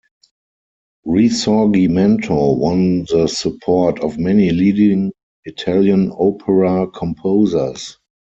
Risorgimento won the support of many leading Italian opera composers.